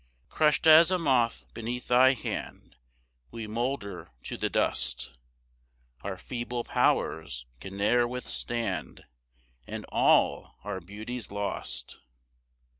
4 Crush'd as a moth beneath thy hand, We moulder to the dust; Our feeble powers can ne'er withstand, And all our beauty's lost.